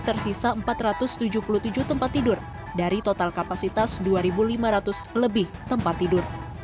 tersisa empat ratus tujuh puluh tujuh tempat tidur dari total kapasitas dua lima ratus lebih tempat tidur